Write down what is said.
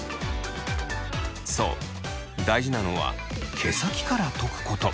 そう大事なのは毛先からとくこと。